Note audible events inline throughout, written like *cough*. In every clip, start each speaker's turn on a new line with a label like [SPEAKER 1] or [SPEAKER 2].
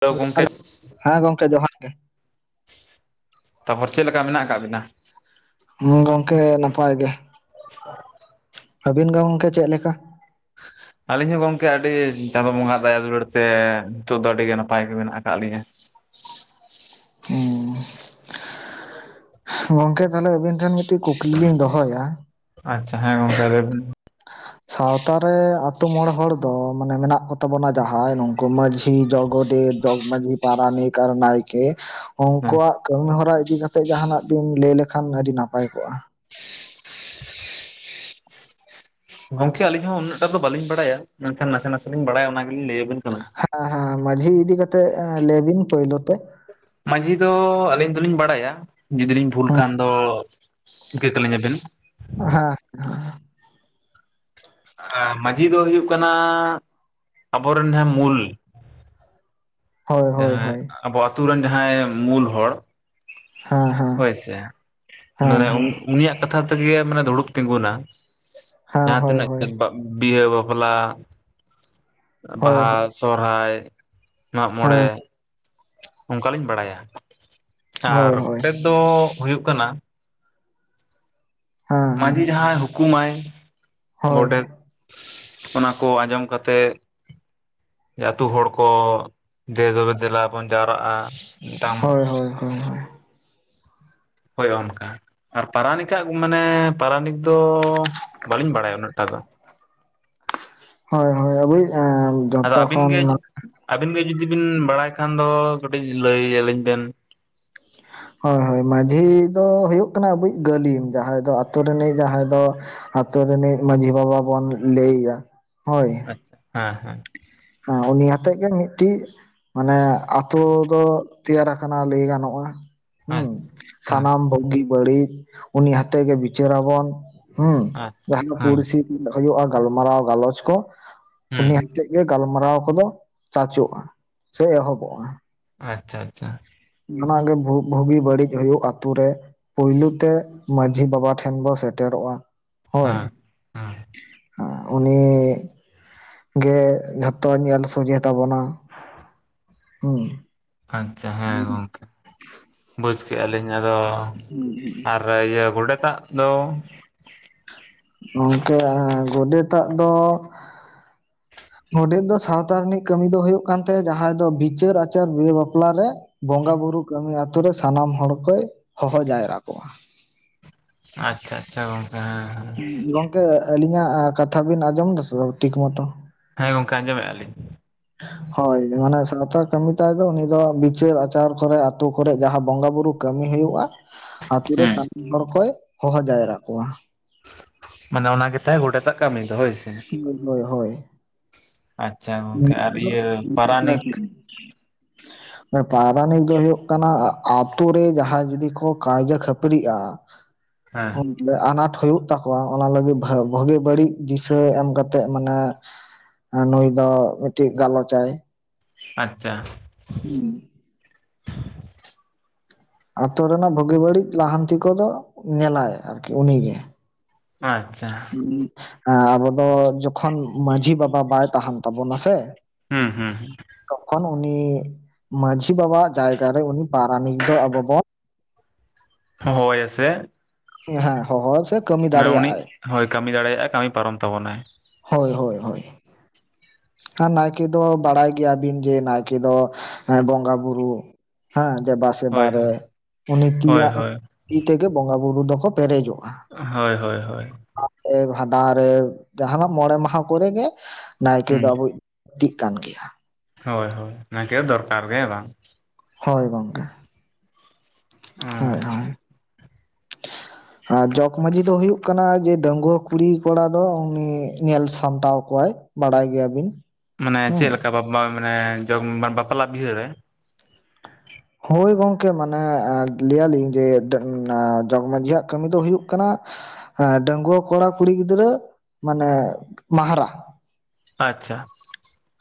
[SPEAKER 1] ᱛᱚ
[SPEAKER 2] ᱡᱚᱦᱟᱨ
[SPEAKER 1] ᱜᱚᱝᱠᱮᱥ
[SPEAKER 2] ᱦᱮᱸ ᱜᱚᱝᱠᱮ ᱡᱚᱦᱟᱨ ᱜᱮ
[SPEAKER 1] ᱛᱟᱯᱚᱨ ᱪᱮᱜ ᱞᱮᱠᱟ ᱢᱮᱱᱟᱜ ᱟᱠᱟᱜ ᱵᱤᱱᱟ?
[SPEAKER 2] ᱦᱩᱸ ᱜᱚᱝᱠᱮ ᱱᱟᱯᱟᱭ ᱜᱮ ᱾
[SPEAKER 1] *inaudible*
[SPEAKER 2] ᱟᱹᱵᱤᱱ ᱜᱮ ᱜᱚᱝᱠᱮ ᱪᱮᱫ ᱞᱮᱠᱟ?
[SPEAKER 1] *inaudible* ᱟᱹᱞᱤᱧ ᱦᱚᱸ ᱜᱚᱝᱠᱮ ᱟᱹᱰᱤ ᱪᱟᱸᱫᱳ ᱵᱚᱸᱜᱟᱣᱟᱜ ᱫᱟᱭᱟ ᱫᱩᱞᱟᱹᱲ ᱛᱮ ᱱᱤᱛᱚᱜ ᱫᱚ ᱟᱹᱰᱤ ᱜᱮ ᱱᱟᱯᱟᱭ ᱜᱮ ᱢᱮᱱᱟᱜ ᱟᱠᱟᱫ ᱞᱤᱧᱟᱹ᱾
[SPEAKER 2] ᱦᱩᱸ᱾ ᱜᱚᱝᱠᱮ ᱛᱟᱦᱞᱮ ᱟᱹᱵᱤᱱ ᱴᱷᱮᱱ ᱢᱤᱫᱴᱮᱱ ᱠᱩᱠᱞᱤ ᱞᱤᱧ ᱫᱚᱦᱚᱭᱟ᱾
[SPEAKER 1] ᱟᱪᱪᱷᱟ ᱦᱮᱸ ᱜᱚᱝᱡᱮ ᱞᱟᱭ ᱵᱤᱱ᱾
[SPEAKER 2] *inaudible* ᱥᱟᱶᱛᱟ ᱨᱮ ᱟᱛᱳ ᱢᱚᱬᱮ ᱦᱚᱲ ᱫᱚ ᱢᱟᱱᱮ ᱢᱮᱱᱟᱜ ᱠᱚ ᱛᱟᱵᱚᱱᱟ ᱡᱟᱦᱟᱸᱭ ᱱᱩᱝᱠᱩ ᱢᱟᱹᱡᱷᱤ ᱡᱚ ᱜᱚᱰᱮᱛ ᱡᱚᱜᱽ ᱢᱟᱸᱡᱷᱤ, ᱯᱟᱨᱟᱱᱤᱠ ᱟᱨ ᱱᱟᱭᱠᱮ᱾
[SPEAKER 1] ᱦᱮᱸ
[SPEAKER 2] ᱩᱱᱠᱩᱣᱟᱜ ᱠᱟᱹᱢᱤ ᱦᱚᱨᱟ ᱤᱫᱤ ᱠᱟᱛᱮ ᱡᱟᱦᱟᱸᱱᱟᱜ ᱵᱤᱱ ᱞᱟᱹᱭ ᱞᱮᱠᱷᱟᱱ ᱟᱹᱰᱤ ᱱᱟᱯᱟᱭ ᱠᱚᱜ-ᱟ᱾
[SPEAKER 1] ᱜᱚᱢᱠᱮ ᱟᱞᱤᱧ ᱦᱚᱸ ᱩᱱᱟᱹᱜᱴᱟ ᱫᱚ ᱵᱟᱹᱞᱤᱧ ᱵᱟᱲᱟᱭᱟ᱾ ᱢᱮᱱᱠᱷᱟᱱ ᱱᱟᱥᱮ ᱱᱟᱥᱮ ᱞᱤᱧ ᱵᱟᱲᱟᱭᱟ ᱚᱱᱟ ᱜᱮᱞᱤᱧ ᱞᱟᱹᱭ ᱟᱵᱤᱱ ᱠᱟᱱᱟ᱾
[SPEAKER 2] ᱟ ᱦᱮᱸ ᱢᱟᱹᱡᱷᱤ ᱤᱫᱤ ᱠᱟᱛᱮᱜ ᱞᱮᱟᱹᱭ ᱵᱤᱱ ᱯᱳᱭᱞᱳ ᱛᱮ᱾
[SPEAKER 1] ᱢᱟᱹᱡᱷᱤ ᱫᱚ ᱟᱹᱞᱤᱧ ᱫᱚᱞᱤᱧ ᱵᱟᱲᱟᱭᱟ ᱡᱩᱫᱤ ᱞᱤᱧ ᱵᱷᱩᱞ
[SPEAKER 2] ᱦᱮᱸ
[SPEAKER 1] ᱠᱷᱟᱱ ᱫᱚ ᱤᱠᱟᱹ ᱠᱹᱞᱤᱧ ᱟᱵᱮᱱ᱾
[SPEAKER 2] *unintelligible*
[SPEAKER 1] ᱟᱸ ᱢᱟᱹᱡᱷᱤ ᱫᱚ ᱦᱩᱭᱩᱜ ᱠᱟᱱᱟ ᱟᱵᱚᱨᱮᱱ ᱡᱟᱦᱟᱸᱭ ᱢᱩᱞ
[SPEAKER 2] ᱦᱳᱭ ᱦᱳᱭ
[SPEAKER 1] ᱡᱟᱦᱟᱸᱭ
[SPEAKER 2] ᱦᱳᱭ
[SPEAKER 1] ᱟᱵᱚ ᱟᱛᱩᱨᱮᱱ ᱡᱟᱦᱟᱸᱭ ᱢᱩᱞ ᱦᱚᱲ᱾
[SPEAKER 2] ᱦᱮᱸ ᱦᱮᱸ
[SPEAKER 1] ᱦᱳᱭ ᱥᱮ
[SPEAKER 2] ᱦᱮᱸ
[SPEAKER 1] ᱢᱟᱱᱮ
[SPEAKER 2] ᱦᱮᱸ
[SPEAKER 1] ᱩᱱᱤᱭᱟᱜ ᱠᱟᱛᱷᱟ ᱛᱮ ᱛᱮᱜᱮ ᱢᱟᱱᱮ ᱫᱩᱲᱩᱵ ᱛᱤᱸᱜᱩᱱᱟ᱾
[SPEAKER 2] ᱦᱮᱸ
[SPEAKER 1] ᱡᱟᱦᱟᱸ
[SPEAKER 2] ᱦᱳᱭ
[SPEAKER 1] ᱛᱤᱱᱟᱹᱜ
[SPEAKER 2] ᱦᱳᱭ
[SPEAKER 1] ᱵᱤᱦᱟᱹ ᱵᱟᱯᱞᱟ
[SPEAKER 2] ᱦᱳᱭ
[SPEAKER 1] ᱵᱟᱦᱟ,
[SPEAKER 2] ᱦᱳᱭ
[SPEAKER 1] ᱥᱚᱨᱦᱟᱭ, ᱢᱟᱜᱼᱢᱚᱬᱮ᱾
[SPEAKER 2] ᱦᱮᱸ
[SPEAKER 1] ᱚᱱᱠᱟᱞᱤᱧ ᱵᱟᱲᱟᱭᱟ ᱟᱨ
[SPEAKER 2] ᱦᱳᱭ ᱦᱳᱭ
[SPEAKER 1] ᱜᱚᱰᱮᱫ ᱫᱚ ᱦᱩᱭᱩᱜ ᱠᱟᱱᱟ
[SPEAKER 2] ᱦᱮᱸ ᱦᱮᱸ
[SPEAKER 1] ᱢᱟᱹᱡᱷᱤ ᱡᱟᱦᱟᱸᱭ ᱦᱩᱠᱩᱢᱟᱭ
[SPEAKER 2] ᱦᱳᱭ
[SPEAKER 1] ᱜᱚᱰᱮᱛ ᱚᱱᱟ ᱠᱚ ᱟᱸᱡᱚᱢ ᱠᱟᱛᱮᱫ ᱡᱮ ᱟᱹᱛᱩ ᱦᱚᱲ ᱠᱚ ᱫᱮᱼᱫᱚᱵᱮ ᱫᱮᱞᱟ ᱵᱚᱱ ᱡᱟᱣᱨᱟᱜ-ᱟ᱾ ᱢᱤᱫᱴᱟᱝ
[SPEAKER 2] ᱦᱳᱭ ᱦᱳᱭ ᱦᱳᱭ
[SPEAKER 1] ᱦᱳᱭ ᱚᱱᱠᱟ᱾ ᱟᱨ ᱯᱟᱨᱟᱱᱤᱠᱟᱜ ᱢᱟᱱᱮ ᱯᱟᱨᱟᱱᱤᱠ ᱫᱚ ᱵᱟᱹᱞᱤᱧ ᱵᱟᱲᱟᱭᱟ ᱩᱱᱟᱹᱜ ᱴᱟ ᱫᱚ᱾
[SPEAKER 2] ᱦᱳᱭ ᱦᱳᱭ ᱟᱵᱩᱭᱤᱡ ᱮᱸ
[SPEAKER 1] ᱟᱫᱚ ᱟᱹᱵᱤᱱ ᱜᱮ ᱟᱹᱵᱤᱱ ᱜᱮ ᱡᱩᱫᱤ ᱵᱤᱱ ᱵᱟᱲᱟᱭ ᱠᱷᱟᱱ ᱫᱚ ᱠᱟᱹᱴᱤᱡ ᱞᱟᱹᱭ ᱟᱹᱞᱤᱧ ᱵᱮᱱ᱾
[SPEAKER 2] ᱦᱳᱭ ᱦᱳᱭ ᱢᱟᱡᱷᱤ ᱫᱚ ᱦᱩᱭᱩᱜ ᱠᱟᱱᱟᱭ ᱟᱵᱚᱣᱤᱡ ᱜᱟᱹᱞᱤᱢ᱾ ᱡᱟᱦᱟᱸᱭ ᱫᱚ ᱟᱛᱳ ᱨᱤᱱᱤᱡ ᱡᱟᱦᱟᱸᱭ ᱫᱚ ᱟᱛᱳ ᱨᱤᱱᱤᱡ ᱢᱟᱹᱡᱷᱤ ᱵᱟᱵᱟ ᱵᱚᱱ ᱞᱟᱹᱭᱮᱟᱭᱟ ᱦᱳᱭ᱾
[SPEAKER 1] ᱟᱪᱪᱷᱟ ᱦᱮᱸ ᱦᱮᱸ᱾
[SPEAKER 2] ᱦᱮᱸ ᱩᱱᱤ ᱟᱛᱮᱮᱴᱫ ᱜᱮ ᱢᱤᱫᱴᱤᱡ ᱢᱟᱱᱮ ᱟᱛ ᱛᱳ ᱫᱚ ᱛᱮᱭᱟᱨ ᱟᱠᱟᱱᱟ ᱞᱟᱹᱭ ᱜᱟᱱᱚᱜ-ᱟ
[SPEAKER 1] ᱟᱪᱪᱷᱟ
[SPEAKER 2] ᱦᱩᱸ᱾
[SPEAKER 1] ᱦᱮᱸ
[SPEAKER 2] ᱥᱟᱱᱟᱢ ᱵᱩᱜᱤ ᱵᱟᱹᱲᱤᱡ ᱩᱱᱤ ᱦᱟᱛᱮ ᱜᱮ ᱵᱤᱪᱟᱹᱨᱟᱵᱚᱱ᱾ ᱦᱩᱸ
[SPEAKER 1] ᱟᱪ
[SPEAKER 2] ᱡᱟᱦᱟᱸ ᱜᱮ
[SPEAKER 1] ᱦᱮᱸ
[SPEAKER 2] ᱯᱩᱲᱥᱤ ᱫᱩᱲᱩᱵ ᱦᱚᱭᱚᱜ-ᱟ ᱜᱟᱞᱢᱟᱨᱟᱣ ᱜᱟᱞᱚᱪ ᱠᱚ,
[SPEAKER 1] ᱦᱩᱸ
[SPEAKER 2] ᱩᱱᱤ ᱦᱟᱛᱮᱡ ᱜᱟᱞᱢᱟᱨᱟᱣ ᱠᱚᱫᱚ ᱪᱟᱪᱳᱜ-ᱟ ᱥᱮ ᱮᱦᱚᱵᱚᱜ-ᱟ᱾
[SPEAKER 1] ᱟᱪᱪᱷᱟ ᱟᱪᱪᱷᱟ᱾
[SPEAKER 2] ᱡᱷᱚᱱᱟᱜᱮ ᱱᱷᱩ-ᱵᱷᱩᱜᱤ ᱵᱟᱹᱲᱤᱡ ᱦᱳᱭᱳᱜ ᱟᱛᱳ ᱨᱮ᱾ ᱯᱳᱭᱞᱩ ᱛᱮ ᱢᱟᱹᱡᱷᱤ ᱵᱟᱵᱟ ᱴᱷᱮᱱ ᱵᱚ ᱥᱮᱴᱮᱨᱚᱜ-ᱟ ᱦᱚᱭ᱾
[SPEAKER 1] ᱦᱮᱸ ᱦᱮᱸ
[SPEAKER 2] ᱦᱟ ᱩᱱᱤ ᱜᱮ ᱡᱷᱚᱛᱚ ᱧᱮᱞ ᱥᱚᱡᱷᱮ ᱛᱟᱵᱚᱱᱟ ᱦᱩᱸ᱾
[SPEAKER 1] ᱟᱪᱪᱷᱟ᱾ ᱦᱮᱸ
[SPEAKER 2] *inaudible*
[SPEAKER 1] ᱵᱩᱡᱽ ᱠᱮᱜ-ᱟ ᱞᱤᱧ ᱟᱫᱚ
[SPEAKER 2] ᱩᱸ ᱦᱩᱸ ᱩᱸ᱾
[SPEAKER 1] ᱛᱟᱦᱚᱞᱮ ᱤᱭᱟᱹ ᱜᱚᱰᱮᱛᱟᱜ ᱫᱚ
[SPEAKER 2] ᱜᱚᱝᱠᱮ ᱟᱸ ᱜᱚᱰᱮᱛᱟᱜ ᱫᱚ
[SPEAKER 1] *inaudible*
[SPEAKER 2] ᱜᱚᱰᱮᱛ ᱫᱚ ᱥᱟᱶᱛᱟ ᱨᱤᱱᱤᱡ ᱠᱟᱹᱢᱤ ᱫᱚ ᱦᱳᱭᱳᱜ ᱠᱟᱱ ᱛᱟᱭᱟ ᱡᱟᱦᱟᱸᱭ ᱫᱚ ᱵᱤᱪᱟᱹᱨ ᱟᱪᱟᱨ ᱵᱤᱦᱟᱹ ᱵᱟᱯᱞᱟ ᱨᱮ ᱵᱚᱸᱜᱟ ᱵᱩᱨᱩ ᱠᱟᱹᱢᱤ ᱟᱛᱳ ᱨᱮ ᱥᱟᱱᱟᱢ ᱦᱚᱲ ᱠᱚᱭ ᱦᱚᱦᱚ ᱡᱟᱭᱨᱟ ᱠᱚᱣᱟ᱾
[SPEAKER 1] ᱟᱪᱪᱷᱟ-ᱟᱪᱪᱷᱟ ᱜᱚᱝᱠᱮ ᱦᱮᱸ ᱦᱮᱸ᱾
[SPEAKER 2] ᱜᱚᱝᱠᱮ ᱟᱹᱞᱤᱧᱟᱜ ᱠᱟᱛᱷᱟ ᱵᱤᱱ ᱟᱸᱡᱚᱢ ᱫᱟ ᱥᱮ ᱵᱟᱝ ᱴᱷᱤᱠ ᱢᱚᱛᱚ?
[SPEAKER 1] ᱦᱮᱸ ᱜᱚᱝᱠᱮ ᱟᱸᱡᱚᱢᱮᱜ-ᱟ ᱞᱤᱧ᱾
[SPEAKER 2] ᱦᱳᱭ ᱢᱟᱱᱮ ᱥᱟᱶᱛᱟ ᱠᱟᱹᱢᱤ ᱛᱟᱭ ᱫᱚ ᱩᱱᱤ ᱫᱚ ᱵᱤᱪᱟᱹᱨ ᱟᱪᱟᱨ ᱠᱚᱨᱮ ᱟᱛᱳ ᱠᱚᱨᱮᱜ ᱡᱟᱦᱟᱸ ᱵᱚᱸᱜᱟ ᱵᱩᱨᱩ ᱠᱟᱹᱢᱤ ᱦᱩᱭᱩᱜ-ᱟ᱾
[SPEAKER 1] *inaudible*
[SPEAKER 2] ᱟᱛᱳ ᱨᱮ ᱥᱟᱱᱟᱢ ᱦᱚᱲ ᱠᱚᱭ ᱦᱚᱦᱚ ᱡᱟᱣᱨᱟᱜ ᱠᱚᱣᱟ᱾
[SPEAKER 1] ᱢᱟᱱᱮ ᱚᱱᱟ ᱜᱮᱛᱟᱭ ᱜᱚᱰᱮᱛᱟᱜ ᱠᱟᱢᱤ ᱫᱚ ᱦᱳᱭ ᱥᱮ᱾
[SPEAKER 2] ᱦᱳᱭ ᱦᱳᱭ ᱦᱳᱭ᱾
[SPEAKER 1] ᱟᱪᱪᱷᱟ ᱜᱚᱝᱠᱮ ᱟᱨ ᱤᱭᱟᱹ ᱯᱟᱨᱟᱱᱤᱠ᱾
[SPEAKER 2] ᱮ ᱯᱟᱨᱟᱱᱤᱠ ᱫᱚᱭ ᱦᱩᱭᱩᱜ ᱠᱟᱱᱟ ᱟ ᱟᱛᱳ ᱨᱮ ᱡᱟᱦᱟᱸᱭ ᱡᱩᱫᱤ ᱠᱚ ᱠᱟᱭᱡᱟ ᱠᱷᱟᱹᱯᱟᱹᱨᱤᱜ-ᱟ
[SPEAKER 1] ᱦᱮᱸ
[SPEAKER 2] ᱩᱱ ᱞᱮ ᱟᱱᱟᱴ ᱦᱩᱭᱩᱜ ᱛᱟᱠᱚᱣᱟ ᱚᱱᱟ ᱞᱟᱹᱜᱤᱫ ᱵᱷᱟᱹ ᱵᱷᱟᱹᱜᱤ ᱵᱟᱹᱲᱤᱡ ᱫᱤᱥᱟᱹ ᱮᱢ ᱠᱟᱛᱮᱜ ᱢᱟᱱᱮ ᱮᱸ ᱱᱩᱭ ᱫᱚ ᱢᱤᱫᱴᱤᱡ ᱜᱟᱞᱚᱪᱟᱭ᱾
[SPEAKER 1] ᱟᱪᱪᱷᱟ᱾
[SPEAKER 2] ᱦᱩᱸ᱾ ᱟᱛᱳ ᱨᱮᱱᱟᱜ ᱵᱷᱩᱜᱤ ᱵᱟᱹᱲᱤᱡ ᱞᱟᱦᱟᱱᱛᱤ ᱠᱚᱫᱚ ᱧᱮᱞᱟᱭ ᱟᱨᱠᱤ ᱩᱱᱤ ᱜᱮ᱾
[SPEAKER 1] ᱟᱪᱪᱷᱟ᱾
[SPEAKER 2] ᱩᱸᱜ ᱮᱸᱻ ᱟᱵᱚ ᱫᱚ ᱡᱚᱠᱷᱚᱱ ᱢᱟᱺᱡᱷᱤ ᱵᱟᱵᱟ ᱵᱟᱭ ᱛᱟᱦᱮᱱ ᱛᱟᱵᱚᱱᱟ ᱥᱮ
[SPEAKER 1] ᱦᱩᱸ ᱦᱩᱸ᱾
[SPEAKER 2] ᱛᱚᱠᱷᱚᱱ ᱩᱱᱤ ᱢᱟᱺᱡᱷᱤ ᱵᱟᱵᱟᱣᱟᱜ ᱡᱟᱭᱜᱟ ᱨᱮ ᱩᱱᱤ ᱯᱟᱨᱟᱱᱤᱠ ᱫᱚ ᱟᱵᱚ ᱵᱚᱱ
[SPEAKER 1] ᱦᱚᱦᱚᱣᱟᱭᱟ‌ ᱥᱮ
[SPEAKER 2] ᱦᱮᱸ ᱦᱟᱸᱜ ᱦᱚᱦᱚ ᱫᱚ ᱪᱮᱫ?
[SPEAKER 1] ᱢᱟᱱᱮ ᱩᱱᱤ ᱦᱚᱭ ᱠᱟᱢᱤ ᱫᱟᱲᱮᱭᱟᱜ-ᱟᱭ ᱠᱟᱹᱢᱤ ᱯᱟᱨᱚᱢ ᱛᱟᱵᱚᱱᱟᱭ᱾
[SPEAKER 2] ᱦᱳᱭ, ᱦᱳᱭ, ᱦᱳᱭ᱾ ᱟᱨ ᱱᱟᱭᱠᱮ ᱫᱚ ᱵᱟᱲᱟᱭ ᱜᱮᱭᱟ ᱵᱤᱱ ᱡᱮ ᱱᱟᱭᱠᱮ ᱫᱚ ᱮᱸ ᱵᱚᱸᱜᱟ ᱵᱩᱨᱩ ᱦᱮᱸ ᱫᱮᱵᱟ ᱥᱮᱵᱟ
[SPEAKER 1] ᱦᱳᱭ
[SPEAKER 2] ᱨᱮ
[SPEAKER 1] ᱦᱳᱭ
[SPEAKER 2] ᱩᱱᱤ
[SPEAKER 1] ᱦᱳᱭ
[SPEAKER 2] ᱛᱤᱭᱟᱜ
[SPEAKER 1] ᱦᱳᱭ
[SPEAKER 2] ᱛᱤ ᱛᱮᱜᱮ ᱵᱚᱸᱜᱟ ᱵᱩᱨᱩ ᱫᱚᱠᱚ ᱯᱮᱨᱮᱡᱚᱜ-ᱟ᱾
[SPEAKER 1] ᱦᱳᱭ ᱦᱳᱭ ᱦᱳᱭ᱾
[SPEAKER 2] ᱟᱜ ᱨᱮ‌ ᱵᱷᱟᱸᱰᱟᱱ ᱨᱮ ᱡᱟᱦᱟᱸ ᱱᱟᱜ ᱢᱚᱸᱬᱮ ᱢᱟᱦᱟ ᱠᱚᱨᱮ ᱜᱮ ᱱᱟᱭᱠᱮ ᱫᱚ
[SPEAKER 1] ᱦᱳᱭ
[SPEAKER 2] ᱟᱵᱩᱭᱤᱡ ᱛᱤᱜ ᱠᱟᱱ ᱜᱮᱭᱟ᱾
[SPEAKER 1] ᱦᱳᱭ ᱦᱳᱭ ᱱᱟᱭᱠᱮ ᱫᱚ ᱫᱚᱨᱠᱟᱨ ᱜᱮ ᱦᱮᱸ ᱵᱟᱝ᱾
[SPEAKER 2] ᱦᱳᱭ ᱜᱚᱝᱠᱮ ᱦᱚᱭ
[SPEAKER 1] ᱟᱪᱪᱷᱟ
[SPEAKER 2] ᱦᱚᱭ᱾
[SPEAKER 1] *unintelligible*
[SPEAKER 2] ᱟᱨ ᱡᱚᱜᱽ ᱢᱟᱺᱡᱷᱤ ᱫᱚ ᱦᱩᱭᱩᱜ ᱠᱟᱱᱟ ᱡᱮ ᱰᱟᱺᱜᱽᱣᱟᱹ ᱠᱩᱲᱤ ᱠᱚᱲᱟ ᱫᱚ ᱩᱱᱤᱭ ᱧᱮᱞ ᱥᱟᱢᱴᱟᱣ ᱠᱚᱣᱟᱭ ᱵᱟᱲᱟᱭ ᱜᱮᱭᱟ ᱵᱤᱱ᱾
[SPEAKER 1] ᱢᱟᱱᱮ ᱪᱮᱜ ᱞᱮᱠᱟ ᱵᱟᱯ ᱵᱟ ᱢᱟᱱᱮ ᱡᱚᱜᱽ ᱢᱟ ᱵᱟᱯᱞᱟ ᱵᱤᱦᱟᱹ ᱨᱮ᱾
[SPEAKER 2] ᱦᱳᱭ ᱜᱚᱝᱠᱮ ᱢᱟᱱᱮ ᱮᱸᱻ ᱞᱟᱹᱭᱟ ᱞᱤᱧ ᱡᱮ ᱰᱮᱱ ᱟᱸ ᱡᱚᱜᱽ ᱢᱟᱺᱡᱷᱤᱭᱟᱜ ᱠᱟᱹᱢᱤ ᱫᱚ ᱦᱩᱭᱩᱜ ᱠᱟᱱᱟ ᱦᱮᱸ‌ ᱰᱟᱺᱜᱽᱣᱟᱹ ᱠᱚᱲᱟ ᱠᱩᱲᱤ ᱜᱤᱫᱽᱨᱟᱹ ᱢᱟᱱᱮ ᱢᱟᱦᱟᱨᱟ᱾
[SPEAKER 1] ᱟᱪᱪᱷᱟ᱾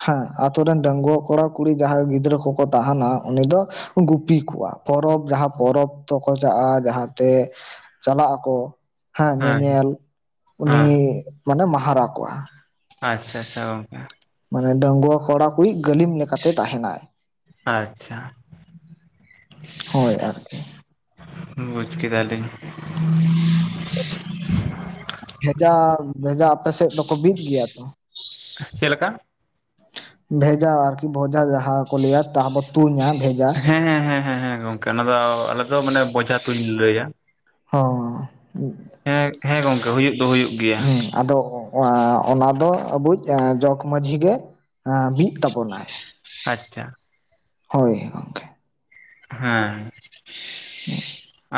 [SPEAKER 2] ᱦᱮᱸ ᱟᱛᱳ ᱨᱮᱱ ᱰᱟᱹᱜᱽᱣᱟᱹ ᱠᱚᱲᱟ ᱠᱩᱲᱤ ᱡᱟᱦᱟᱸᱭ ᱜᱤᱫᱽᱨᱟᱹ ᱠᱚᱠᱚ ᱛᱟᱦᱮᱱᱟ ᱩᱱᱤ ᱫᱚ ᱜᱩᱯᱤ ᱠᱚᱣᱟ ᱯᱚᱨᱚᱵᱽ ᱡᱟᱦᱟᱸ ᱯᱚᱨᱚᱵᱽ ᱛᱚᱠᱚ ᱪᱟᱜ-ᱟ ᱡᱟᱦᱟᱸ ᱛᱮ ᱪᱟᱞᱟᱜ ᱟᱠᱚ ᱦᱟᱜ
[SPEAKER 1] ᱦᱮᱸ
[SPEAKER 2] ᱧᱮᱧᱮᱞ ᱩᱱᱤᱭ
[SPEAKER 1] ᱦᱮᱸ
[SPEAKER 2] ᱢᱟᱱᱮ ᱢᱟᱦᱟᱨᱟ ᱠᱚᱣᱟ᱾
[SPEAKER 1] ᱟᱪᱪᱷᱟ ᱟᱪᱷᱟ ᱜᱚᱝᱠᱮ᱾
[SPEAKER 2] ᱢᱟᱱᱮ ᱰᱟᱝᱣᱟᱹ ᱠᱚᱲᱟ ᱠᱩᱲᱤ ᱠᱚᱭᱤᱡ ᱜᱟᱹᱞᱤᱢ ᱞᱮᱠ ᱠᱟᱛᱮ ᱛᱟᱦᱮᱱᱟᱭ
[SPEAKER 1] ᱟᱪᱪᱷᱟ
[SPEAKER 2] ᱦᱳᱭ ᱟᱨᱠᱤ᱾
[SPEAKER 1] ᱵᱩᱪ ᱠᱮᱫᱟ ᱞᱤᱧ
[SPEAKER 2] ᱵᱷᱮᱡᱟ ᱵᱷᱮᱡᱟ ᱟᱯᱮ ᱥᱮᱜ ᱫᱚᱠᱚ ᱵᱤᱫ ᱜᱮᱭᱟ ᱛᱚ?
[SPEAKER 1] ᱪᱮᱜ ᱞᱮᱠᱟ?
[SPEAKER 2] ᱵᱷᱮᱡᱟ ᱟᱨᱠᱤ ᱵᱷᱚᱡᱟ ᱡᱟᱦᱟᱸ ᱠᱚ ᱞᱟᱹᱭᱟ ᱛᱟᱦᱟ ᱵᱚ ᱛᱩᱧᱟ᱾ ᱵᱷᱮᱡᱟ
[SPEAKER 1] ᱦᱮᱸ ᱦᱮᱸ ᱦᱮᱸ ᱦᱮᱸ ᱜᱚᱝᱠᱮ ᱚᱱᱟ ᱫᱚ ᱟᱞᱮ ᱫᱚ ᱢᱟᱱᱮ ᱵᱚᱡᱷᱟ ᱛᱩᱧ ᱞᱟᱹᱭᱟ᱾
[SPEAKER 2] ᱦᱳ
[SPEAKER 1] ᱦᱮᱜ ᱦᱮᱸ ᱜᱚᱝᱠᱮ ᱦᱩᱭᱩᱜ ᱫᱚ ᱦᱩᱭᱩᱜ ᱜᱮᱭᱟ᱾
[SPEAKER 2] ᱚᱶᱟ ᱚᱱᱟ ᱫᱚ ᱟᱵᱚᱭᱤᱡ ᱮ‌ᱸ ᱡᱚᱜᱽ ᱢᱟᱺᱡᱷᱤ ᱜᱮ ᱵᱤᱜ ᱛᱟᱵᱚᱱᱟᱭ᱾
[SPEAKER 1] ᱟᱪᱪᱷᱟ
[SPEAKER 2] ᱦᱚᱭ ᱜᱚᱝᱠᱮ
[SPEAKER 1] ᱦᱮᱸ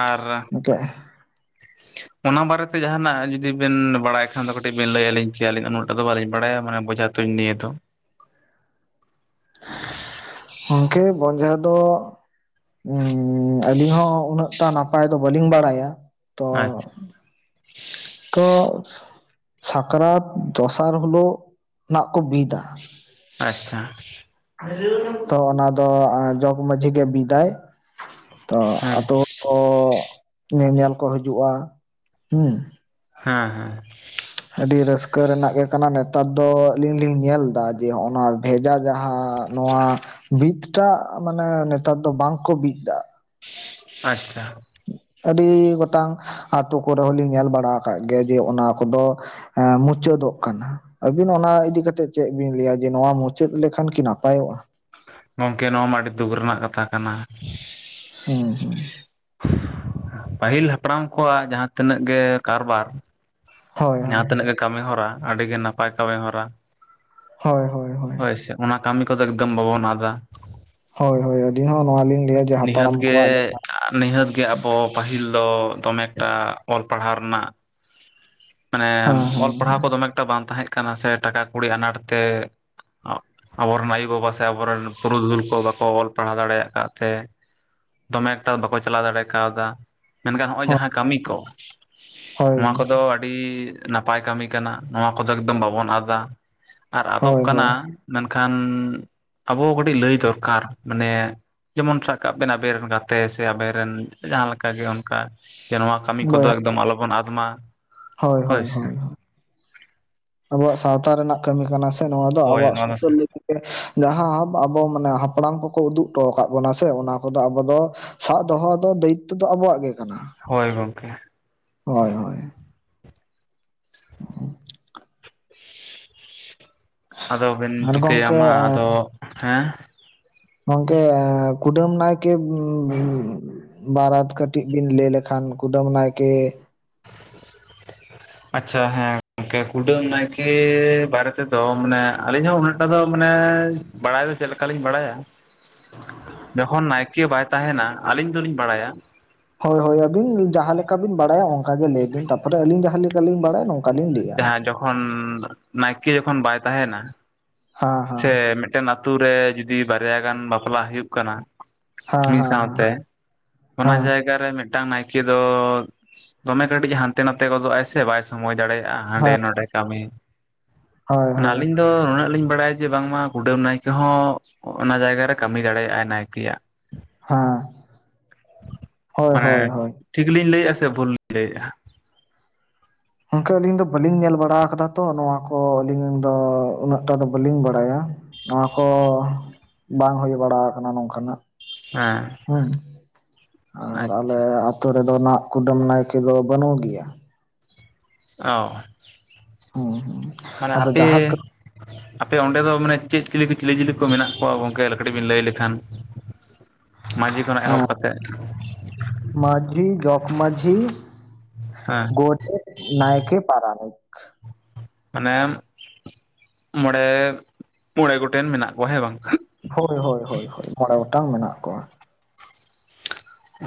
[SPEAKER 1] ᱟᱨ
[SPEAKER 2] ᱜᱚᱝᱠᱮ
[SPEAKER 1] ᱚᱱᱟ ᱵᱟᱨᱮ ᱛᱮ ᱡᱟᱦᱟᱱᱟᱜ ᱡᱩᱫᱤ ᱵᱮᱱ ᱵᱟᱲᱟᱭ ᱠᱷᱟᱱ ᱫᱚ ᱠᱟᱹᱴᱤᱡ ᱵᱮᱱ ᱞᱟᱹᱭ ᱟᱹᱞᱤᱧ ᱠᱮᱭᱟ? ᱟᱹᱞᱤᱧ ᱩᱱᱟᱹᱜ ᱴᱟ ᱫᱚ ᱵᱟᱹᱞᱤᱧ ᱵᱟᱲᱟᱭᱟ ᱢᱟᱱᱮ ᱵᱚᱡᱷᱟ ᱛᱩᱧ ᱱᱤᱭᱟᱹ ᱛᱚ *inaudible*
[SPEAKER 2] ᱜᱚᱝᱠᱮ ᱵᱚᱡᱷᱟ ᱫᱚ ᱩᱸᱻ ᱟᱞᱤᱧ ᱦᱚᱸ ᱩᱱᱟᱹᱜᱴᱟ ᱱᱟᱯᱟᱭ ᱫᱚ ᱵᱟᱞᱤᱧ ᱵᱟᱲᱟᱭᱟ᱾ ᱛᱚ
[SPEAKER 1] ᱟᱪᱪᱷᱟ
[SPEAKER 2] ᱛᱚ ᱥᱟᱠᱨᱟᱛ ᱫᱚᱥᱟᱨ ᱦᱩᱞᱳᱜ ᱱᱟᱜ ᱠᱚ ᱵᱤᱫᱟ
[SPEAKER 1] ᱟᱪᱪᱷᱟ
[SPEAKER 2] ᱛᱚ ᱚᱱᱟ ᱫᱚ ᱡᱚᱜᱽ ᱢᱟᱺᱡᱷᱤ ᱜᱮ ᱵᱤᱫᱟᱭ ᱛᱚ
[SPEAKER 1] ᱦᱮᱸ
[SPEAKER 2] ᱟᱛᱳ ᱦᱚᱲ ᱠᱚ ᱧᱮᱧᱮᱞ ᱠᱚ ᱦᱟᱹᱡᱩᱜᱼᱟ ᱦᱩᱸ
[SPEAKER 1] ᱦᱮᱸ ᱦᱮᱸ
[SPEAKER 2] ᱟᱹᱰᱤ ᱨᱟᱹᱥᱠᱟᱹ ᱨᱮᱱᱟᱜ ᱜᱮ ᱠᱟᱱᱟ ᱱᱮᱛᱟᱨ ᱫᱚ ᱟᱹᱞᱤᱧ ᱞᱤᱧ ᱧᱮᱞ ᱫᱟ ᱡᱮ ᱦᱚᱸᱜᱼᱚ ᱱᱟ ᱵᱷᱮᱡᱟ ᱡᱟᱦᱟᱸ ᱱᱚᱣᱟ ᱵᱤᱫ ᱴᱟᱜ ᱢᱟᱱᱮ ᱱᱮᱛᱟᱨ ᱫᱚ ᱵᱟᱝ ᱠᱚ ᱵᱤᱫ ᱫᱟ
[SPEAKER 1] ᱟᱪᱪᱷᱟ
[SPEAKER 2] ᱟᱹᱰᱤ ᱜᱚᱴᱟᱝ ᱟᱛᱳ ᱠᱚᱨᱮ ᱦᱚᱞᱤᱧ ᱧᱮᱞ ᱵᱟᱲᱟ ᱟᱠᱟ ᱜᱮᱭᱟ ᱡᱮ ᱚᱱᱟ ᱠᱚᱫᱚ ᱮᱸ ᱢᱩᱪᱟᱹᱫᱚᱜ ᱠᱟᱱᱟ ᱟᱹᱵᱤᱱ ᱚᱱᱟ ᱤᱫᱤ ᱠᱟᱛᱮᱫ ᱪᱮᱫ ᱵᱤᱱ ᱞᱟᱹᱭᱟ ᱡᱮ ᱱᱚᱣᱟ ᱢᱩᱪᱟᱹᱫ ᱞᱮᱠᱷᱟᱱ ᱠᱤ ᱱᱟᱯᱟᱭᱚᱜᱼᱟ?
[SPEAKER 1] ᱜᱚᱝᱠᱮ ᱱᱚᱣᱟ ᱢᱟ ᱟᱹᱰᱤ ᱫᱩᱠ ᱨᱮᱱᱟᱜ ᱠᱟᱛᱷᱟ ᱠᱟᱱᱟ
[SPEAKER 2] ᱩᱦᱩ
[SPEAKER 1] ᱯᱟᱦᱤᱞ ᱦᱟᱯᱲᱟᱢ ᱠᱚᱣᱟᱜ ᱡᱟᱦᱟᱸ ᱛᱤᱱᱟᱹᱜ ᱜᱮ ᱠᱟᱨᱵᱟᱨ
[SPEAKER 2] ᱦᱳᱭ
[SPEAKER 1] ᱡᱟᱦᱟᱸ
[SPEAKER 2] ᱦᱳᱭ
[SPEAKER 1] ᱛᱤᱱᱟᱹᱜ ᱜᱮ ᱠᱟᱹᱢᱤ ᱦᱚᱨᱟ ᱟᱹᱰᱤ ᱜᱮ ᱱᱟᱯᱟᱭ ᱠᱟᱹᱢᱤ ᱦᱚᱨᱟ
[SPEAKER 2] ᱦᱳᱭ ᱦᱳ
[SPEAKER 1] ᱦᱳᱭ ᱥᱮ ᱚᱱᱟ ᱠᱟᱹᱢᱤ ᱠᱚᱫᱚ ᱮᱠᱫᱚᱢ ᱵᱟᱵᱚᱱ ᱟᱫᱟ
[SPEAKER 2] ᱦᱳᱭ ᱦᱳᱭ ᱟᱹᱰᱤᱧ ᱦᱚᱸ ᱱᱚᱣᱟ ᱞᱤᱧ ᱞᱟᱹᱭᱟ ᱡᱮ
[SPEAKER 1] ᱱᱤᱦᱟᱹᱛ
[SPEAKER 2] ᱦᱟᱯᱲᱟᱢ
[SPEAKER 1] ᱜᱮ
[SPEAKER 2] ᱠᱚᱣᱟᱜ
[SPEAKER 1] ᱟ ᱱᱤᱦᱟᱹᱛ ᱜᱮ ᱟᱵᱚ ᱯᱟᱹᱦᱤᱞ ᱫᱚ ᱫᱚᱢᱮ ᱮᱠᱴᱟ ᱚᱞ ᱯᱟᱲᱦᱟᱣ ᱨᱮᱱᱟᱜ ᱢᱟᱱᱮ
[SPEAKER 2] ᱡᱟᱦᱟᱸ
[SPEAKER 1] ᱚᱞ
[SPEAKER 2] ᱦᱮᱸ
[SPEAKER 1] ᱯᱟᱲᱦᱟᱣ ᱠᱚ ᱫᱚᱢᱮ ᱮᱠᱴᱟ ᱵᱟᱝ ᱛᱟᱦᱮᱸ ᱠᱟᱱᱟ ᱥᱮ ᱴᱟᱠᱟ ᱠᱩᱲᱤ ᱟᱱᱟᱴ ᱛᱮ ᱟᱵ ᱟᱵᱚ ᱨᱮᱱ ᱟᱭᱩ ᱵᱟᱵᱟ ᱥᱮ ᱟᱵᱚ ᱨᱮᱱ ᱯᱩᱨᱩᱫᱷᱩᱞ ᱠᱚ ᱵᱟᱠᱚ ᱚᱞ ᱯᱟᱲᱦᱟᱣ ᱫᱟᱲᱮᱭᱟᱜ ᱟᱠᱟᱫ ᱛᱮ ᱫᱚᱢᱮ ᱮᱠᱴᱟ ᱵᱟᱠᱚ ᱪᱟᱞᱟᱣ ᱫᱟᱲᱮ ᱠᱟᱣᱫᱟ᱾ ᱢᱮᱱᱠᱷᱟᱱ ᱦᱚᱸᱜᱼᱚᱭ
[SPEAKER 2] ᱦᱮᱸ
[SPEAKER 1] ᱡᱟᱦᱟᱸ ᱠᱟᱹᱢᱤ ᱠᱚ,
[SPEAKER 2] ᱦᱮᱸ ᱦᱳᱭ
[SPEAKER 1] ᱱᱚᱣᱟ
[SPEAKER 2] ᱜᱚᱝᱠᱮ
[SPEAKER 1] ᱠᱚᱫᱚᱼ ᱟᱹᱰᱤ ᱱᱟᱯᱟᱭ ᱠᱟᱹᱢᱤ ᱠᱟᱱᱟ ᱱᱚᱣᱟ, ᱠᱚᱫᱚ ᱮᱠᱫᱚᱢ ᱵᱟᱵᱚᱱ ᱟᱫᱟ ᱟᱨ ᱟᱫᱚᱜ
[SPEAKER 2] ᱦᱳᱭ
[SPEAKER 1] ᱠᱟᱱᱟᱼ
[SPEAKER 2] ᱦᱳᱭ
[SPEAKER 1] ᱢᱮᱱᱠᱷᱟᱱᱻ ᱟᱵᱚ ᱠᱟᱹᱴᱤᱡ ᱞᱟᱹᱭ ᱫᱚᱨᱠᱟᱨ ᱢᱟᱱᱮᱻ ᱡᱮᱢᱚᱱ ᱥᱟᱵ ᱠᱟᱜ ᱵᱮᱱ ᱟᱵᱮᱱ ᱨᱮᱱ ᱜᱟᱛᱮ, ᱥᱮ ᱟᱵᱮ ᱨᱮᱱ ᱡᱟᱦᱟᱸ ᱞᱮᱠᱟ ᱜᱮ ᱚᱱᱠᱟᱼ ᱡᱮ ᱱᱚᱣᱟ ᱠᱟᱹᱢᱤ ᱠᱚᱫᱚ
[SPEAKER 2] ᱵᱚᱭᱦᱟ ᱠᱚ
[SPEAKER 1] ᱮᱠᱫᱚᱢ ᱟᱞᱚ ᱵᱚᱱ ᱟᱫ ᱢᱟ᱾
[SPEAKER 2] ᱦᱳᱭ ᱦᱳᱭ ᱦᱳᱭ᱾ ᱟᱵᱚᱣᱟᱜ ᱥᱟᱶᱛᱟ ᱨᱮᱱᱟᱜ ᱠᱟᱹᱢᱤ ᱠᱟᱱᱟ ᱥᱮ ᱱᱚᱣᱟ ᱫᱚ,
[SPEAKER 1] ᱦᱳᱭ
[SPEAKER 2] ᱟᱵᱚᱣᱟᱜ
[SPEAKER 1] ᱱᱚᱣᱟ ᱫᱚ
[SPEAKER 2] ᱥᱩᱥᱟᱹᱨᱼᱼ ᱡᱟᱦᱟᱸ ᱟᱵᱚ ᱢᱟᱱᱮ, ᱦᱟᱯᱲᱟᱢ ᱠᱚᱠᱚ ᱩᱫᱩᱜ ᱴᱚ ᱟᱠᱟᱫ ᱵᱚᱱᱟ ᱥᱮ ᱚᱱᱟ ᱠᱚᱫᱚ ᱟᱵᱚ ᱫᱚᱼ ᱥᱟᱵ ᱫᱚᱦᱚ ᱫᱚ ᱫᱟᱭᱤᱛᱛᱚ ᱫᱚ ᱟᱵᱚᱣᱟᱜ ᱜᱮ ᱠᱟᱱᱟ᱾
[SPEAKER 1] ᱦᱳᱭ ᱜᱚᱝᱠᱮ᱾
[SPEAKER 2] ᱦᱳᱭ ᱦᱳᱭ᱾ *inaudible*
[SPEAKER 1] ᱟᱫᱚ ᱵᱮᱱ
[SPEAKER 2] ᱟᱨ
[SPEAKER 1] ᱪᱤᱠᱟᱹᱭᱟ
[SPEAKER 2] ᱜᱚᱝᱠᱮ
[SPEAKER 1] ᱢᱟ ᱟᱫᱚ ᱦᱮᱸ?
[SPEAKER 2] ᱜᱚᱝᱠᱮ ᱠᱩᱰᱟᱹᱢ ᱱᱟᱭᱠᱮ ᱩᱸᱻ ᱩᱸᱻ ᱵᱟᱨᱟᱛ ᱠᱟᱹᱴᱤᱡ ᱵᱤᱱ ᱞᱟᱹᱭ ᱞᱮᱠᱷᱟᱱ ᱠᱩᱰᱟᱹᱢ ᱱᱟᱭᱠᱮᱼ
[SPEAKER 1] ᱟᱪᱪᱷᱟ ᱦᱮᱸ᱾ ᱝᱠᱮ ᱠᱩᱰᱟᱹᱢ ᱱᱟᱭᱠᱮᱹᱻ ᱵᱟᱨᱮ ᱛᱮᱫᱚ ᱢᱟᱱᱮ ᱟᱹᱞᱤᱧ ᱦᱚᱸ ᱩᱱᱟᱹᱜ ᱴᱟ ᱫᱚ ᱢᱟᱱᱮᱻ ᱵᱟᱲᱟᱭ ᱫᱚ ᱪᱮᱫ ᱞᱮᱠᱟ ᱞᱤᱧ ᱵᱟᱲᱟᱭᱟ, ᱡᱚᱠᱷᱚᱱ ᱱᱟᱭᱠᱮᱹ ᱵᱟᱭ ᱛᱟᱦᱮᱱᱟ ᱟᱹᱞᱤᱧ ᱫᱚᱞᱤᱧ ᱵᱟᱲᱟᱭᱟ
[SPEAKER 2] ᱦᱳᱭ ᱦᱳᱭ ᱟᱹᱵᱤᱱ ᱡᱟᱦᱟᱸ ᱞᱮᱠᱟ ᱵᱤᱱ ᱵᱟᱲᱟᱭᱟ ᱚᱱᱠᱟ ᱜᱮ ᱞᱟᱹᱭ ᱵᱤᱱ, ᱛᱟᱯᱚᱨᱮ ᱟᱹᱞᱤᱧ ᱡᱟᱦᱟᱸ ᱞᱮᱠᱟᱞᱤᱧ ᱵᱟᱲᱟᱭᱟ ᱱᱚᱝᱠᱟ ᱞᱤᱧ ᱞᱟᱹᱭᱟ᱾
[SPEAKER 1] ᱡᱟᱦᱟᱸ ᱡᱚᱠᱷᱚᱱ ᱱᱟᱭᱠᱮᱹ ᱡᱚᱠᱷᱚᱱ ᱵᱟᱭ ᱛᱟᱦᱮᱱᱟ,
[SPEAKER 2] ᱦᱮᱸ ᱦᱮᱸ
[SPEAKER 1] ᱥᱮ ᱢᱤᱫᱴᱮᱱ ᱟᱛᱩ ᱨᱮ ᱡᱩᱫᱤ ᱵᱟᱨᱭᱟ ᱜᱟᱱ ᱵᱟᱯᱞᱟ ᱦᱩᱭᱩᱜ ᱠᱟᱱᱟ,
[SPEAKER 2] ᱦᱮᱸ
[SPEAKER 1] ᱢᱤᱜ
[SPEAKER 2] ᱦᱮᱸ ᱦᱮᱸ
[SPEAKER 1] ᱥᱟᱶᱛᱮᱼᱼ ᱚᱱᱟ ᱡᱟᱭᱼᱼ ᱡᱟᱭᱜᱟ ᱨᱮ ᱢᱤᱴᱟᱝ ᱱᱟᱭᱠᱮᱹ ᱫᱚ ᱫᱚᱢᱮ ᱠᱟᱹᱴᱤᱡ ᱦᱟᱱᱛᱮ ᱱᱟᱱᱛᱮ ᱜᱚᱫᱚᱜ-ᱟᱭ ᱥᱮ ᱵᱟᱭ ᱥᱚᱢᱚᱭ ᱫᱟᱲᱮᱭᱟᱜᱼ ᱟ ᱦᱟᱸᱰᱮ
[SPEAKER 2] ᱦᱮᱸ
[SPEAKER 1] ᱱᱚᱰᱮ ᱠᱟᱹᱢᱤ᱾
[SPEAKER 2] ᱦᱳᱭ
[SPEAKER 1] ᱢᱟᱱᱮ
[SPEAKER 2] ᱦᱳᱭ
[SPEAKER 1] ᱟᱞᱤᱧ ᱼᱼ ᱫᱚ ᱱᱩᱱᱟᱹᱜ ᱞᱤᱧ ᱵᱟᱲᱟᱭᱟ ᱡᱮ, ᱵᱟᱝᱢᱟ ᱠᱩᱰᱟᱹᱢ ᱱᱟᱭᱠᱮ ᱦᱚᱸ ᱚᱱᱟ ᱡᱟᱭᱜᱟ ᱨᱮ ᱠᱟᱹᱢᱤ ᱫᱟᱲᱮᱭᱟᱜ ᱟᱭ ᱱᱟᱭᱠᱮᱭᱟᱜ᱾
[SPEAKER 2] ᱦᱟᱸᱻ
[SPEAKER 1] ᱢᱟᱱᱮ
[SPEAKER 2] ᱦᱳᱭ
[SPEAKER 1] ᱴᱷᱤᱠᱞᱤᱧ ᱞᱟᱹᱭᱮᱜᱼᱟ ᱥᱮ ᱵᱷᱩᱞ ᱞᱤᱧ ᱞᱟᱹᱭᱮᱜᱼᱟ?
[SPEAKER 2] ᱚᱝᱠᱮ ᱟᱹᱞᱤᱧ ᱫᱚ ᱵᱟᱹᱞᱤᱧ ᱧᱮᱞ ᱵᱟᱲᱟ ᱠᱟᱫᱟ ᱛᱚ ᱱᱚᱣᱟ ᱠᱚ ᱟᱹᱞᱤᱧ ᱫᱚ ᱩᱱᱟᱹᱜᱴᱟ ᱫᱚ ᱵᱟᱹᱞᱤᱧ ᱵᱟᱲᱟᱭᱟ᱾ ᱱᱚᱣᱟ ᱠᱚᱻ ᱵᱟᱝ ᱦᱳᱭ ᱵᱟᱲᱟ ᱠᱟᱱᱟ ᱱᱚᱝᱠᱟᱱᱟᱜ᱾
[SPEAKER 1] ᱦᱮᱸᱻ
[SPEAKER 2] ᱦᱩᱸ ᱟᱨ ᱟᱞᱮ ᱟᱛᱳ ᱨᱮᱫᱚ ᱱᱟᱜ ᱠᱩᱰᱟᱹᱢ ᱱᱟᱭᱠᱮᱹ ᱫᱚ ᱵᱟᱹᱱᱩᱜᱽ ᱮᱭᱟ᱾
[SPEAKER 1] ᱚᱻ
[SPEAKER 2] ᱦᱩᱸ ᱦᱩᱸ ᱾ ᱟᱫᱚ ᱡᱟᱦᱟᱸ ᱠᱟᱹᱼᱼ
[SPEAKER 1] ᱟᱯᱮ ᱚᱸᱰᱮ ᱫᱚ ᱢᱟᱱᱮ ᱪᱮᱫ ᱪᱤᱞᱤ ᱠᱚ ᱪᱤᱞᱤ ᱪᱤᱞᱤ ᱠᱚ ᱢᱮᱱᱟᱜ ᱠᱚᱣᱟ ᱜᱚᱝᱠᱮ ᱠᱟᱹᱴᱤᱡ ᱵᱮᱱ ᱞᱟᱹᱭ ᱞᱮᱠᱷᱟᱱᱼ ᱢᱟᱹᱡᱷᱤ ᱠᱷᱚᱱᱟᱜ ᱮᱦᱚᱵ ᱠᱟᱛᱮᱜ᱾
[SPEAKER 2] ᱢᱟᱹᱡᱷᱤ, ᱡᱚᱠ ᱢᱟᱹᱡᱷᱤ,
[SPEAKER 1] ᱦᱮᱸ
[SPEAKER 2] ᱜᱚᱰᱮᱹᱛ, ᱱᱟᱭᱠᱮ, ᱯᱟᱨᱟᱱᱤᱠ᱾
[SPEAKER 1] ᱢᱟᱱᱮ-ᱢ ᱢᱚᱬᱮ ᱢᱚᱬᱮ ᱜᱚᱴᱮᱱ ᱢᱮᱱᱟᱜ ᱠᱚᱣᱟ ᱦᱮᱸ ᱵᱟᱝ?
[SPEAKER 2] ᱦᱳᱭ ᱦᱳᱭ ᱦᱳᱭ ᱦᱳᱭ ᱢᱚᱬᱮ ᱜᱚᱴᱟᱝ ᱢᱮᱱᱟᱜ ᱠᱚᱣᱟ᱾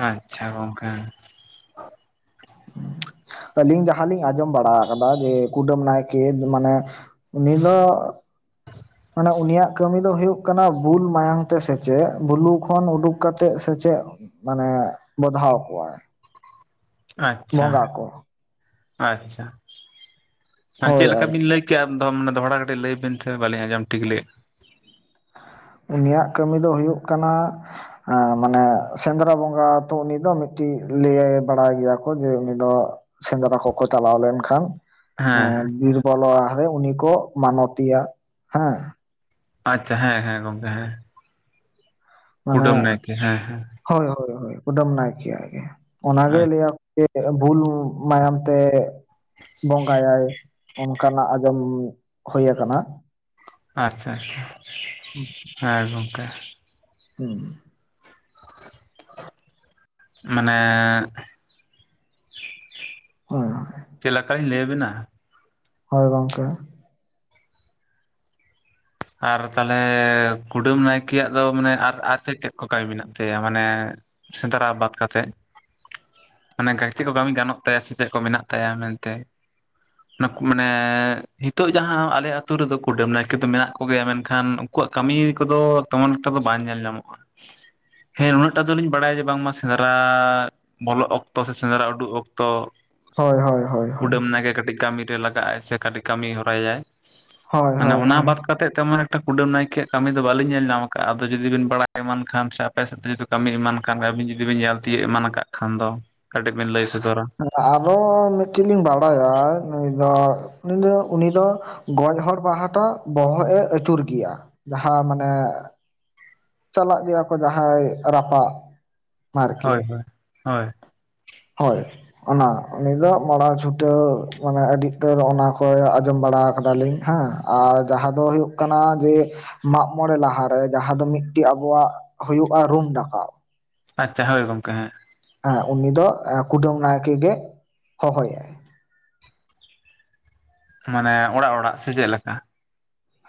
[SPEAKER 1] ᱟᱪᱪᱷᱟ ᱜᱚᱝᱠᱮ᱾ *inaudible*
[SPEAKER 2] ᱟᱹᱞᱤᱧ ᱡᱟᱦᱟᱸᱞᱤᱧ ᱟᱸᱡᱚᱢ ᱵᱟᱲᱟ ᱠᱟᱫᱟ ᱡᱮ, ᱠᱩᱰᱟᱹᱢ ᱱᱟᱭᱠᱮᱹ ᱢᱟᱱᱮᱼᱼ ᱩᱱᱤ ᱫᱚᱼᱼ
[SPEAKER 1] *inaudible*
[SPEAKER 2] ᱢᱟᱱᱮ ᱩᱱᱤᱭᱟᱜ ᱠᱟᱹᱢᱤ ᱫᱚ ᱦᱳᱭᱳᱜ ᱠᱟᱱᱟ ᱵᱩᱞ ᱢᱟᱭᱟᱝ ᱛᱮ ᱥᱮᱪᱮᱜ ᱵᱩᱞᱩ ᱠᱷᱚᱱ ᱩᱰᱩᱠ ᱠᱟᱛᱮᱜ ᱥᱮᱪᱮᱜᱼᱼ ᱢᱟᱱᱮ ᱵᱚᱫᱷᱟᱣ ᱠᱚᱣᱟᱭ᱾
[SPEAKER 1] ᱟᱪᱪᱷᱟ
[SPEAKER 2] ᱵᱚᱸᱜᱟ ᱠᱚ
[SPEAKER 1] ᱟᱪᱪᱷᱟ ᱟ
[SPEAKER 2] ᱦᱳᱭ
[SPEAKER 1] ᱪᱮᱜ ᱞᱮᱠᱟ ᱵᱮᱱ
[SPEAKER 2] ᱟᱨᱠᱤ
[SPEAKER 1] ᱞᱟᱹᱭᱼᱼ ᱠᱮᱭᱟ ᱫᱚᱢ ᱫᱚᱦᱲᱟ ᱠᱟᱹᱴᱤᱡ ᱞᱟᱹᱭᱵᱤᱱ ᱥᱮ ᱵᱟᱞᱤᱧ ᱟᱸᱡᱚᱢ ᱴᱷᱤᱠ ᱞᱮᱜ ᱾
[SPEAKER 2] ᱩᱱᱤᱭᱟᱜ ᱠᱟᱹᱢᱤ ᱫᱚ ᱦᱩᱭᱩᱜ ᱠᱟᱱᱟᱼᱼ ᱮ ᱢᱟᱱᱮ ᱥᱮᱸᱫᱽᱨᱟ ᱵᱚᱸᱜᱟ ᱛᱚ ᱩᱱᱤ ᱫᱚ ᱢᱤᱜᱴᱤᱡ ᱞᱟᱹᱭ ᱵᱟᱲᱟᱭ ᱜᱮᱭᱟ ᱠᱚ ᱡᱮ ᱩᱱᱤ ᱫᱚᱼᱼ ᱥᱮᱸᱫᱽᱨᱟ ᱠᱚᱠᱚ ᱪᱟᱞᱟᱣ ᱞᱮᱱᱠᱷᱟᱱᱼᱼ ᱦᱮᱸ ᱵᱤᱨᱵᱚᱞᱚ ᱨᱮ ᱩᱱᱤ ᱠᱚ ᱢᱟᱱᱚᱛᱤᱭᱟ ᱦᱮᱸ ᱾
[SPEAKER 1] ᱟᱪᱪᱷᱟ ᱦᱮᱸ ᱦᱮᱸ ᱜᱚᱝᱠᱮ ᱦᱮᱸ ᱾
[SPEAKER 2] ᱢᱟᱱᱮ
[SPEAKER 1] ᱦᱮᱸ ᱦᱮᱸ
[SPEAKER 2] ᱦᱳᱭ ᱦᱳᱭ ᱠᱩᱫᱟᱹᱢ ᱱᱟᱭᱠᱭᱟᱜ ᱜᱮ ᱚᱱᱟᱜᱮ ᱞᱟᱹᱭᱟᱼᱼ *inaudible* ᱵᱷᱩᱞ ᱢᱟᱭᱟᱢ ᱛᱮᱼᱼ ᱵᱚᱸᱜᱟᱭᱟᱭ ᱚᱱᱠᱟᱱᱟᱜ ᱟᱸᱡᱚᱢ ᱦᱳᱭ ᱠᱟᱱᱟ ᱾
[SPEAKER 1] ᱟᱪᱪᱷᱟ ᱟᱪᱪᱷᱟ *inaudible*
[SPEAKER 2] *inaudible*
[SPEAKER 1] ᱦᱮᱸ ᱜᱚᱝᱠᱮ
[SPEAKER 2] ᱦᱩᱸ
[SPEAKER 1] *inaudible* ᱢᱟᱱᱮ *inaudible*
[SPEAKER 2] ᱦᱚᱭ
[SPEAKER 1] ᱪᱮᱜ ᱞᱮᱠᱟᱧ ᱞᱟᱹᱭ ᱟᱵᱮᱱᱟ ᱾
[SPEAKER 2] ᱦᱳᱭ ᱜᱚᱝᱠᱮ
[SPEAKER 1] ᱟᱨ ᱛᱟᱞᱦᱮ ᱠᱩᱰᱟᱹᱢ ᱱᱟᱭᱠᱮᱭᱟᱜ ᱫᱚ ᱢᱟᱱᱮ ᱟᱨ ᱪᱮᱜ ᱪᱮᱜ ᱠᱚ ᱠᱟᱹᱢᱤ ᱢᱮᱱᱟᱜ ᱛᱟᱭᱟ ᱢᱟᱱᱮᱼᱼ ᱥᱮᱸᱫᱽᱨᱟ ᱵᱟᱫ ᱠᱟᱛᱮᱜ ᱢᱟᱱᱮ ᱜᱟᱹᱭᱛᱤ ᱠᱚ ᱠᱟᱹᱢᱤ ᱜᱟᱱᱚᱜᱼᱼ ᱛᱟᱭᱟ ᱥᱮ ᱪᱮᱜ ᱠᱚ ᱢᱮᱱᱟᱜ ᱛᱟᱭᱟ ᱢᱮᱱᱛᱮ᱾ ᱱᱩᱠ ᱢᱟᱱᱮ ᱦᱤᱛᱚᱜ ᱡᱟᱦᱟᱸ ᱟᱞᱮ ᱟᱹᱛᱩ ᱨᱮᱫᱚ ᱠᱩᱰᱟᱹᱢ ᱱᱟᱭᱠᱮ ᱫᱚ ᱢᱮᱱᱟᱜᱼᱼ ᱠᱩᱜᱮᱭᱟ ᱢᱮᱱᱠᱷᱟᱱ ᱩᱱᱠᱩᱣᱟᱜ ᱠᱟᱹᱢᱤ ᱠᱚᱫᱚ ᱛᱚᱢᱚᱱᱮᱠᱴᱟ ᱫᱚ ᱵᱟᱝ ᱧᱮᱞ ᱧᱟᱢᱚᱜᱼᱟ᱾ ᱦᱮᱸ ᱱᱟᱹᱜᱴᱟᱜ ᱫᱚᱞᱤᱧ ᱵᱟᱲᱟᱭᱟ ᱡᱮ ᱵᱟᱝᱢᱟ ᱥᱮᱸᱫᱽᱨᱟᱼᱼ ᱵᱚᱞᱚᱜ ᱚᱠᱛᱚ ᱥᱮ ᱥᱮᱸᱫᱽᱨᱟ ᱩᱰᱩᱠ ᱚᱠᱛᱚ
[SPEAKER 2] ᱦᱳᱭ ᱦᱳᱭ ᱦᱳᱭ
[SPEAKER 1] ᱾
[SPEAKER 2] ᱦᱳᱭ
[SPEAKER 1] ᱠᱩᱰᱟᱹᱢ ᱱᱟᱭᱠᱮ ᱠᱟᱹᱴᱤᱡ ᱠᱟᱹᱢᱤ ᱨᱮ ᱞᱟᱜᱟᱜᱼᱟᱭ ᱥᱮ ᱠᱟᱹᱴᱤᱡ ᱠᱟᱹᱢᱤ ᱦᱚᱨᱟᱭᱟᱭ ᱾
[SPEAKER 2] ᱦᱳᱭ
[SPEAKER 1] *inaudible* ᱢᱟᱱᱮ
[SPEAKER 2] ᱦᱳᱭ
[SPEAKER 1] ᱚᱱᱟ
[SPEAKER 2] ᱦᱳᱭ
[SPEAKER 1] ᱵᱟᱫ ᱾ ᱠᱟᱛᱮᱫ ᱛᱮᱢᱚᱱ ᱮᱠᱴᱟ ᱠᱩᱰᱟᱹᱢ ᱱᱟᱭᱠᱮᱭᱟᱜ ᱠᱟᱹᱢᱤ ᱫᱚ ᱵᱟᱞᱤᱧ ᱧᱮᱞ ᱧᱟᱢ ᱟᱠᱟᱜ ᱟᱫᱚ ᱡᱩᱫᱤ ᱵᱤᱱ ᱵᱟᱲᱟᱭ ᱮᱢᱟᱱ ᱠᱷᱟᱱ ᱥᱟᱵ ᱾ ᱟᱯᱮ *unintelligible* ᱠᱟᱹᱢᱤ ᱮᱢᱟᱱ ᱠᱟᱱ ᱜᱮ ᱟᱹᱵᱤᱱ ᱡᱩᱫᱤ ᱵᱤᱱ ᱧᱮᱞ ᱛᱤᱭᱳᱜ ᱮᱢᱟᱱ ᱟᱠᱟᱫ ᱠᱷᱟᱱ ᱫᱚ ᱠᱟᱹᱴᱤᱡ ᱵᱤᱱ ᱞᱟᱹᱭ ᱥᱚᱫᱚᱨᱟ ᱾
[SPEAKER 2] ᱟᱨᱚ ᱢᱤᱫᱴᱤᱡ ᱞᱤᱧ ᱵᱟᱲᱟᱭᱟ ᱱᱩᱭ ᱫᱚ ᱩᱱᱤ ᱫᱚ ᱩᱱᱤ ᱫᱚ᱾ ᱜᱚᱡ ᱦᱚᱲ ᱵᱟᱦᱟᱴᱟ ᱵᱚᱦᱚᱜ ᱮ ᱟᱹᱪᱩᱨ ᱜᱮᱭᱟ ᱡᱟᱦᱟᱸ ᱢᱟᱱᱮ ᱾ ᱪᱟᱞᱟᱜ ᱜᱮᱭᱟ ᱠᱚ ᱡᱟᱦᱟᱸᱭ ᱨᱟᱯᱟᱜ ᱾
[SPEAKER 1] ᱦᱳᱭ ᱦᱳᱭ ᱦᱳᱭ ᱾
[SPEAKER 2] ᱦᱳᱭ ᱾ ᱚᱱᱟ ᱩᱱᱤ ᱫᱚ ᱢᱟᱲᱟ ᱪᱷᱩᱴᱟᱹᱣ ᱢᱟᱱᱮ ᱟᱹᱰᱤ ᱩᱛᱟᱹᱨ ᱚᱱᱟ ᱠᱚ ᱟᱸᱡᱚᱢ ᱵᱟᱲᱟ ᱠᱟᱫᱟ ᱞᱤᱧ ᱦᱮᱸ ᱾ ᱟᱨ ᱡᱟᱦᱟᱸ ᱫᱚ ᱦᱩᱭᱩᱜ ᱠᱟᱱᱟ ᱡᱮ ᱾ ᱢᱟᱜ ᱢᱚᱬᱮ ᱞᱟᱦᱟᱨᱮ ᱡᱟᱦᱟᱸ ᱫᱚ ᱢᱤᱫ ᱴᱤᱡ ᱟᱵᱚᱣᱟᱜ ᱦᱩᱭᱩᱜᱼᱟ ᱨᱩᱢ ᱰᱟᱠᱟᱣ ᱾
[SPEAKER 1] ᱟᱪᱪᱷᱟ ᱦᱳᱭ ᱜᱚᱝᱠᱮ ᱦᱮᱸ ᱾
[SPEAKER 2] ᱦᱮᱸ ᱩᱱᱤ ᱫᱚ ᱮᱸ ᱠᱩᱰᱟᱹᱢ ᱱᱟᱭᱠᱮ ᱜᱮ ᱦᱚᱦᱚᱭᱟᱭ ᱾
[SPEAKER 1] ᱢᱟᱱᱮ ᱚᱲᱟᱜ ᱚᱲᱟᱜ ᱥᱮ ᱪᱮᱜ ᱞᱮᱠᱟ?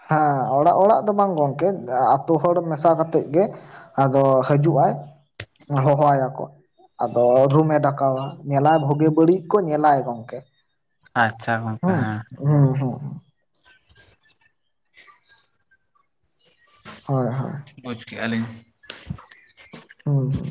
[SPEAKER 2] ᱦᱮᱸ ᱚᱲᱟᱜ ᱚᱲᱟᱜ ᱫᱚ ᱵᱟᱝ ᱜᱚᱝᱠᱮ ᱟ ᱟᱹᱛᱩ ᱦᱚᱲ ᱢᱮᱥᱟ ᱠᱟᱛᱮᱫ ᱜᱮ ᱾ ᱟᱫᱚ ᱦᱟᱡᱩᱜ ᱟᱭ ᱦᱚᱦᱚᱟᱭᱟ ᱠᱚ ᱾ ᱟᱫᱚ ᱨᱩᱢᱮ ᱰᱟᱠᱟᱣᱟ ᱧᱮᱞᱟᱭ ᱵᱷᱳᱜᱮ ᱵᱟᱹᱲᱤᱡ ᱠᱚ ᱧᱮᱞᱟᱭ ᱜᱚᱝᱠᱮ᱾
[SPEAKER 1] ᱟᱪᱪᱷᱟ ᱜᱚᱝᱠᱮ
[SPEAKER 2] ᱦᱩᱸ
[SPEAKER 1] ᱦᱮᱸ᱾
[SPEAKER 2] ᱦᱩᱸ ᱦᱩᱸ᱾
[SPEAKER 1] *inaudible*
[SPEAKER 2] ᱦᱳᱭ ᱦᱳᱭ᱾
[SPEAKER 1] ᱵᱩᱡᱽ ᱠᱮᱜᱼᱟ ᱞᱤᱧ᱾
[SPEAKER 2] ᱦᱩᱸ ᱦᱩᱸ᱾